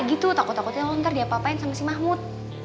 gitu takut takutnya lo ntar diapapain sama si mahmud